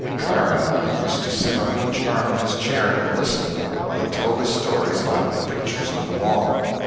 Clara and I used to sit on each arm of his chair and listen while he told us stories about the pictures on the wall.